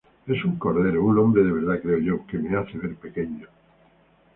Es un cordero, un hombre de verdad, creo yo, que me hace ver pequeño".